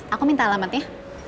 aku minta alamatnya